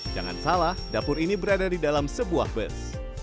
jangan salah dapur ini berada di dalam sebuah bus